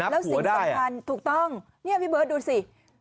แล้วสิ่งสำคัญถูกต้องนี่พี่เบิร์ตดูสิ